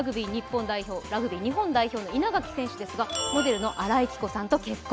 ラグビー日本代表の稲垣選手ですが、モデルの新井貴子さんと結婚。